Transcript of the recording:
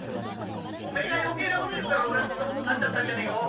おめえが余計なこと言うから俺がそんなことなっちゃったんじゃねえか。